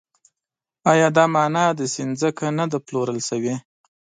ایا دا مانا ده چې ځمکه نه ده پلورل شوې؟